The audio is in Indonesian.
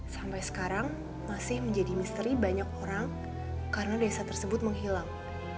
sampai sekarang masih menjadi misteri banyak orang karena desa tersebut menghilang